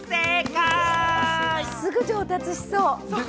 すぐ上達しそう。